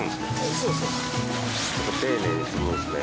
そうですよ。